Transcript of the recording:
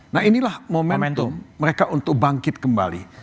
nah inilah momentum mereka untuk bangkit kembali